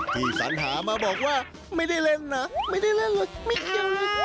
สัญหามาบอกว่าไม่ได้เล่นนะไม่ได้เล่นเลยไม่เกี่ยวเลย